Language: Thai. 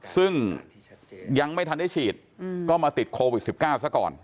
ซึ่งยังไม่ทันได้ฉีดก็มาติดโควิด๑๙ซะก่อน